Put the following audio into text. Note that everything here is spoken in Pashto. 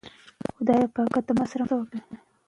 ښه اخلاق د هر انسان شخصیت ډېر ښکلی کوي.